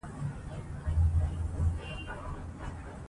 پېغلې به په جګړه کې شاملې سوې وي.